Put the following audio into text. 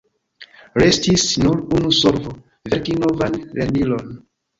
Restis nur unu solvo: verki novan lernilon.